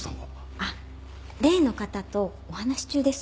あっ例の方とお話し中です。